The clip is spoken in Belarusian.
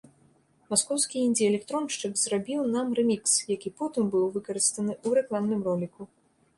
Маскоўскі індзі-электроншчык зрабіў нам рэмікс, які потым быў выкарыстаны ў рэкламным роліку.